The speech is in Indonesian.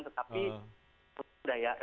tapi yaudah ya